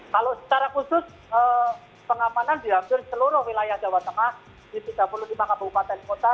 kalau secara khusus pengamanan di hampir seluruh wilayah jawa tengah di tiga puluh lima kabupaten kota